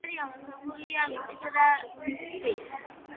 მისი ინტერიერი ამოვსებულია მიწით და ქვით.